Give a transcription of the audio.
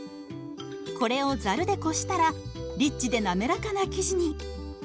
これをザルでこしたらリッチで滑らかな生地に。